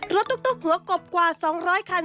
ตุ๊กหัวกบกว่า๒๐๐คัน